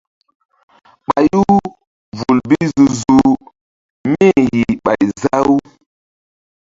Payu vul bi zu-zuh mí-i yih ɓay za-u.